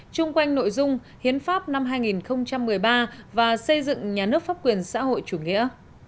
chung quanh nội dung hiến pháp năm hai nghìn một mươi ba và xây dựng nhà nước pháp quyền xã hội chủ nghĩa